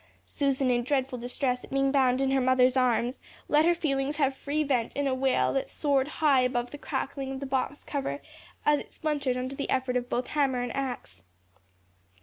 Susan, in dreadful distress at being bound in mother's arms, let her feelings have free vent in a wail that soared high above the crackling of the box cover as it splintered under the effort of both hammer and axe.